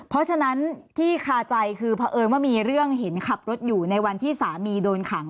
เพราะฉะนั้นที่คาใจคือเพราะเอิญว่ามีเรื่องเห็นขับรถอยู่ในวันที่สามีโดนขัง